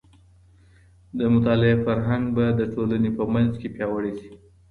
د مطالعې فرهنګ به د ټولني په منځ کي پياوړی سي.